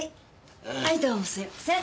はいどうもすいません。